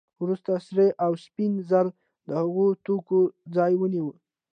وروسته سرې او سپینې زر د هغو توکو ځای ونیو